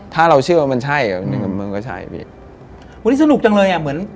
แต่ส่วนมากได้กลิ่นหอม